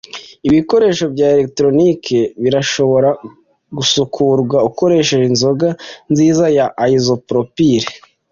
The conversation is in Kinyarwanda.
Ibikoresho bya elegitoronike birashobora gusukurwa ukoresheje inzoga nziza ya isopropyl.